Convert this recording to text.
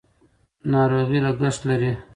ناروغي لګښت لري.